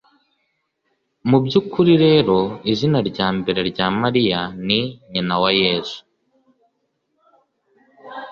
mu by’ukuri rero izina rya mbere rya mariya, ni « nyina wa yezu